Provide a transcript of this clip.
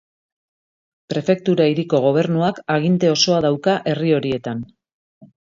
Prefektura hiriko gobernuak aginte osoa dauka herri horietan.